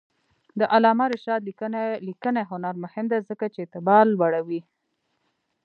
د علامه رشاد لیکنی هنر مهم دی ځکه چې اعتبار لوړوي.